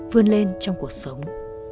vươn lên trong cuộc sống